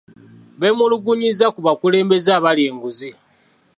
Beemulugunyizza ku bakulembeze abalya enguzi.